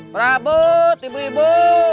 prabut ibu ibu